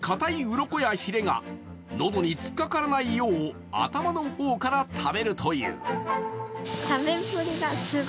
ウロコやヒレが喉に突っかからないよう、頭の方から食べるという。